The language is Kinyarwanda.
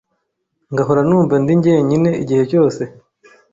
ngahora numva ndi njyenyine igihe cyose,